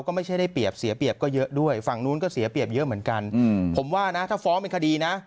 ก็ไม่ใช่ได้เปรียบเสียเปรียบก็เยอะด้วยฝั่งนู้นก็เสียเปรียบเยอะเหมือนกันผมว่านะถ้าฟ้องเป็นคดีนะ